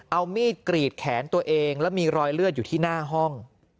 เอามีดกรีดแขนตัวเองแล้วมีรอยเลือดอยู่ที่หน้าห้อง